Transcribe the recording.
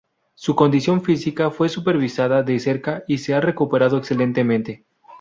Su condición física fue supervisada de cerca y se ha recuperado excelentemente.